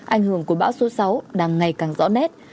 ảnh hưởng của bão số sáu đang ngày càng rõ nét